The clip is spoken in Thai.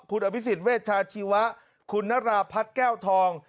คุณอภิษฎเวชาชีวะคุณนราพัฒน์แก้วทอง